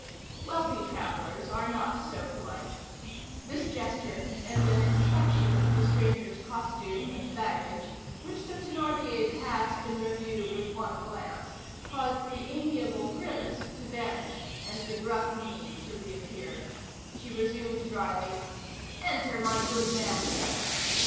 Wealthy travellers are not so polite. This gesture, and an inspection of the stranger's costume and baggage, which the Thénardier passed in review with one glance, caused the amiable grimace to vanish, and the gruff mien to reappear. She resumed dryly:— "Enter, my good man."